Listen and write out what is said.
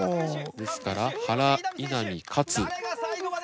ですから原稲見勝。